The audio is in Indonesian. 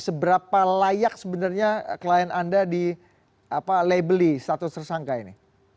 seberapa layak sebenarnya klien anda di labeli status tersangka ini